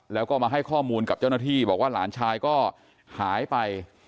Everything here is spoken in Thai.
แล้วก็มาให้ข้อมูลกับเจ้าหน้าที่บอกว่าหลานชายก็หายไป